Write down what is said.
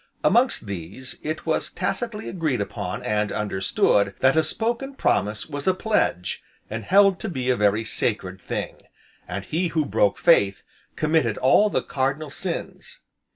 Amongst these, it was tacitly agreed upon, and understood, that a spoken promise was a pledge, and held to be a very sacred thing, and he who broke faith, committed all the cardinal sins.